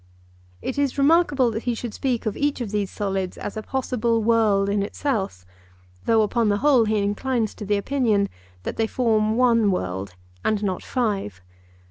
It is remarkable that he should speak of each of these solids as a possible world in itself, though upon the whole he inclines to the opinion that they form one world and not five.